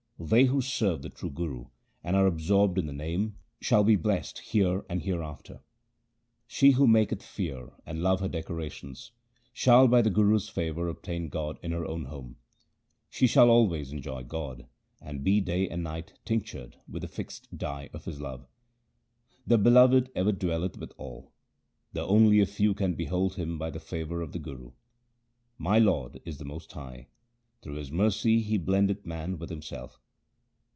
They who serve the true Guru and are absorbed in the Name, shall be blest here and hereafter. She who maketh fear and love her decorations, Shall by the Guru's favour obtain God in her own home. She shall always enjoy God, and be day and night tinctured with the fixed dye of His love. The Beloved ever dwelleth with all, Though only a few can behold Him by the favour of the Guru. My Lord is the most high ; through His mercy He blendeth man with Himself.